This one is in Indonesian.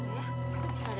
bisa lihat disitu